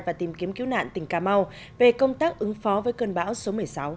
và tìm kiếm cứu nạn tỉnh cà mau về công tác ứng phó với cơn bão số một mươi sáu